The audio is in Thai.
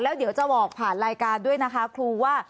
แล้วเดี๋ยวจะบอกผ่านรายการด้วยนะคะครูว่า